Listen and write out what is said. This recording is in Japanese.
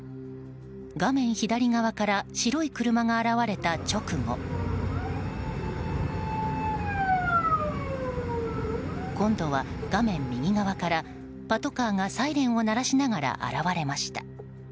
画面左側から白い車が現れた直後今度は画面右側からパトカーがサイレンを鳴らしながら現われました。